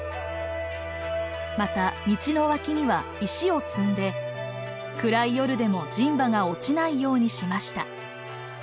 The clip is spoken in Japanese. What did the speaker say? また道の脇には石を積んで暗い夜でも人馬が落ちないようにしました。